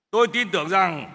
tôi tin tưởng rằng